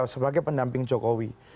sebagai pendamping jokowi